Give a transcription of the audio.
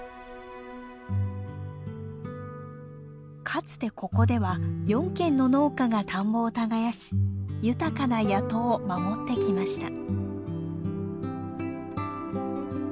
かつてここでは４軒の農家が田んぼを耕し豊かな谷戸を守ってきました。